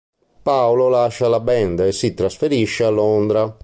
Paolo lascia la band e si trasferisce a Londra.